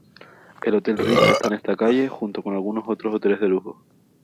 El Hotel Ritz está en esta calle, junto con algunos otros hoteles de lujo.